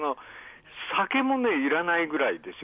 酒も、いらないぐらいですよ。